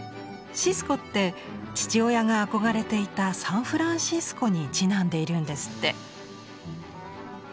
シスコって父親が憧れていたサンフランシスコにちなんでいるんですって。